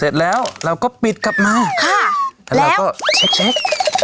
เสร็จแล้วเราก็ปิดกลับมาค่ะแล้วแล้วก็แช็คแช็คอ๋อ